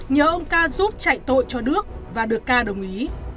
nhớ ông ca giúp chạy tội cho đức và được ca đồng ý